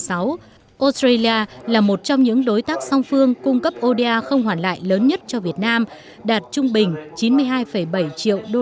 australia là một trong những đối tác song phương cung cấp oda không hoàn lại lớn nhất cho việt nam đạt trung bình chín mươi hai bảy triệu usd